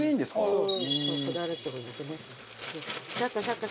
そう。